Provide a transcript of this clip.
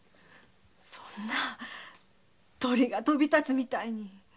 そんな鳥が飛び立つみたいに。